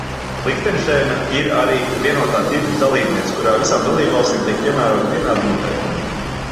Lihtenšteina ir arī vienotā tirgus dalībniece, kurā visām dalībvalstīm tiek piemēroti vienādi noteikumi.